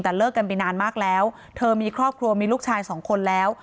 แต่เลิกกันไปนานมากแล้วเธอมีครอบครัวมีลูกชายสองคนแล้ว